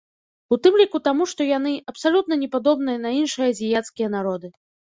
У тым ліку таму, што яны абсалютна не падобныя на іншыя азіяцкія народы.